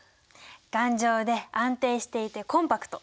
頑丈で安定していてコンパクト。